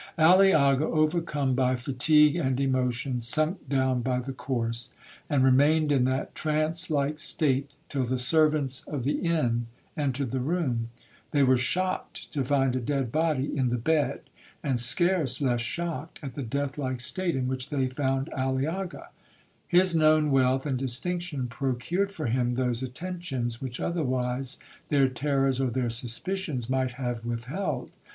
'Aliaga, overcome by fatigue and emotion, sunk down by the corse, and remained in that trance like state till the servants of the inn entered the room. They were shocked to find a dead body in the bed, and scarce less shocked at the death like state in which they found Aliaga. His known wealth and distinction procured for him those attentions which otherwise their terrors or their suspicions might have withheld.